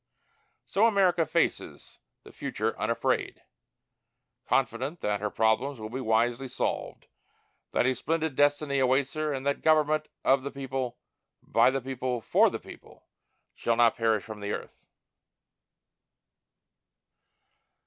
So America faces the future unafraid, confident that her problems will be wisely solved, that a splendid destiny awaits her, and that "government of the people, by the people, for the people, shall not perish from the earth."